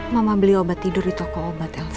mama beli obat tidur di toko obat elvi